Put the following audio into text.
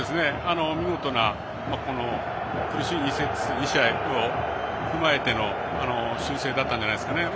見事な苦しい２試合を踏まえての修正だったんじゃないですかね。